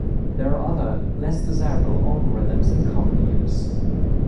There are other, less-desirable algorithms in common use.